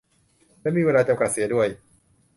และมีเวลาจำกัดเสียด้วย